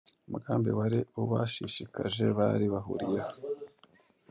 Umugambi wari ubashishikaje bari bahuriyeho